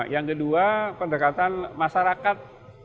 yang kedua pendekatan masyarakat